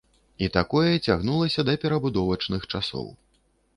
І такое цягнулася да перабудовачных часоў.